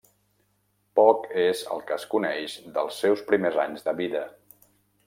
Poc és el que es coneix dels seus primers anys de vida.